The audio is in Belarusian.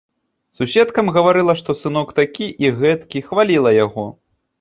Суседкам гаварыла, што сынок такі і гэткі, хваліла яго.